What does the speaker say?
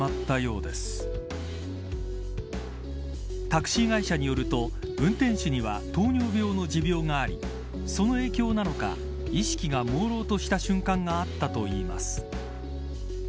タクシー会社によると運転手には糖尿病の持病がありその影響なのか、意識がもうろうとした瞬間があったといいます。